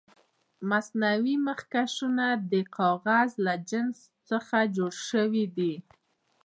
مصنوعي مخکشونه د کاغذ له جنس څخه جوړ شوي دي.